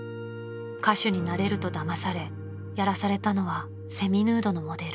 ［歌手になれるとだまされやらされたのはセミヌードのモデル］